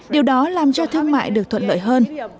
điều đó làm cho thương mại được thuận lợi hơn